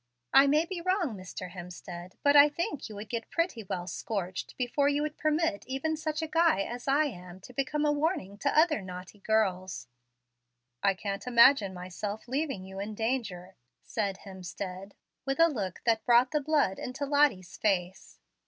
I may be wrong, Mr. Hemstead, but I think you would get pretty well scorched before you would permit even such a guy as I am to become a warning to other naughty girls." "I can't imagine myself leaving you in danger," said Hemstead, with a look that brought the blood into Lottie's face.